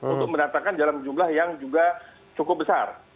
untuk menatakan dalam jumlah yang juga cukup besar